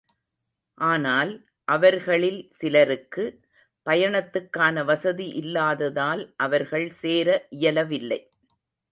ஆனால், அவர்களில் சிலருக்கு, பயணத்துக்கான வசதி இல்லாததால் அவர்கள் சேர இயலவில்லை.